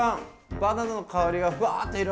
バナナの香りがふわっと広がる！